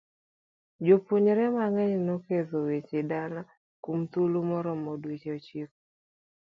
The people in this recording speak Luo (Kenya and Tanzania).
Jopuonjre mang'eny noketho seche dala kuom thuolo maromo dweche ochiko.